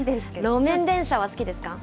路面電車は好きですか？